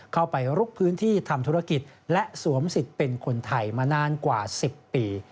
เข้าไปลุกพื้นที่ทำธุรกิจและสวมสิทธิ์เป็นคนไทยมานานกว่า๑๐ปี